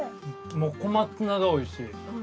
もう小松菜がおいしい。